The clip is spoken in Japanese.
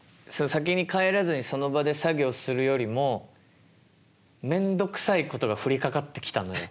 先に帰らずにその場で作業をするよりもめんどくさいことが降りかかってきたのよ。